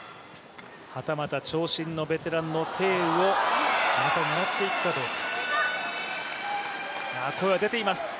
はたまた長身のベテランの鄭雨を狙っていくかどうか。